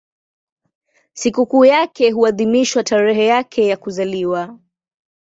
Sikukuu yake huadhimishwa tarehe yake ya kuzaliwa.